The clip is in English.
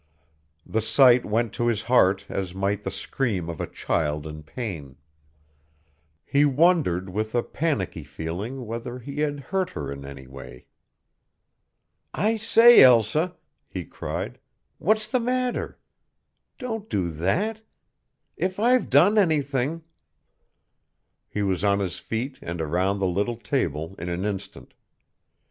The sight went to his heart as might the scream of a child in pain. He wondered with a panicky feeling whether he had hurt her in any way. "I say, Elsa," he cried, "what's the matter? Don't do that. If I've done anything " He was on his feet and around the little table in an instant.